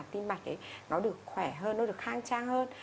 tim mạch ấy nó được khỏe hơn nó được khang trang hơn